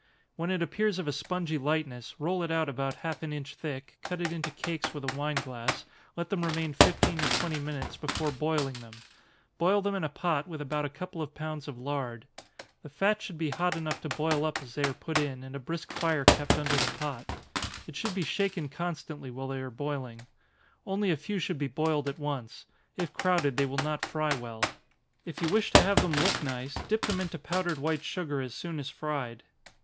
When it appears of a spongy lightness, roll it out about half an inch thick, cut it into cakes with a wine glass, let them remain fifteen or twenty minutes before boiling them boil them in a pot, with about a couple of pounds of lard. The fat should be hot enough to boil up as they are put in, and a brisk fire kept under the pot. It should be shaken constantly while they are boiling. Only a few should be boiled at once if crowded, they will not fry well. If you wish to have them look nice, dip them into powdered white sugar as soon as fried.